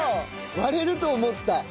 割れると思った。